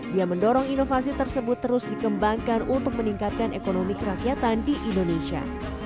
dia mendorong inovasi tersebut terus dikembangkan untuk meningkatkan ekonomi kerakyatan di indonesia